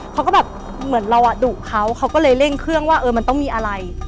เขาก็แบบเหมือนเราอ่ะดุเขาเขาก็เลยเร่งเครื่องว่าเออมันต้องมีอะไร